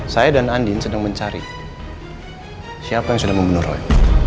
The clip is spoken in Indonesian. saya dan andin sedang mencari siapa yang sudah memenuhi